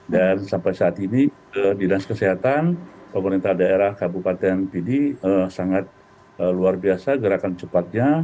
dan sampai saat ini dinas kesehatan pemerintah daerah kabupaten bidi sangat luar biasa gerakan cepatnya